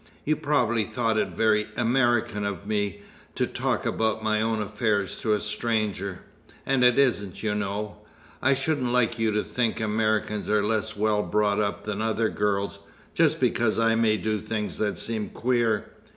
You probably thought it 'very American' of me to talk about my own affairs to a stranger, and it isn't, you know. I shouldn't like you to think Americans are less well brought up than other girls, just because I may do things that seem queer.